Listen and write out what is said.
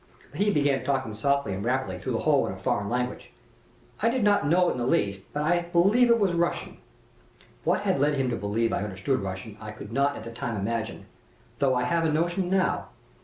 But he began talking softly and rapidly through the hole in a foreign language. I did not know it in the least, but I believe it was Russian. What had led him to believe I understood Russian I could not at the time imagine, though I have a notion now.